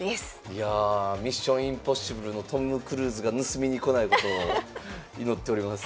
いや「ミッション：インポッシブル」のトム・クルーズが盗みに来ないことを祈っております。